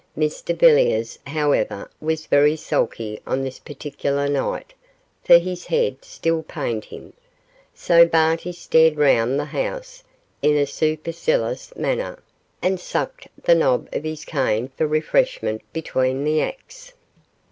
Mr Villiers, however, was very sulky on this particular night, for his head still pained him, so Barty stared round the house in a supercilious manner, and sucked the nob of his cane for refreshment between the acts.